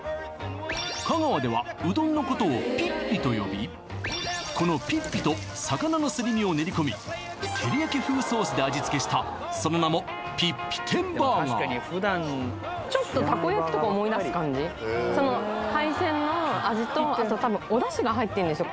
香川ではうどんのことを「ぴっぴ」と呼びこのぴっぴと魚のすり身を練り込みてりやき風ソースで味付けしたその名もその海鮮の味とあと多分お出汁が入ってるんですよ